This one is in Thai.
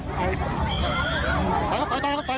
อยู่ไหนระภัยรี่ญาติ